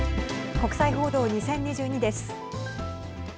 国際報道２０２２です。